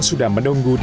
sudah menunggu di bajaj